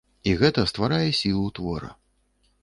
І гэта стварае сілу твора.